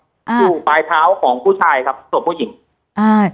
อยู่ปลายเท้าของผู้ชายครับศพผู้หญิงอ่า